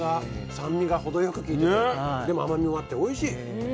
酸味が程よくきいててでも甘みもあっておいしい。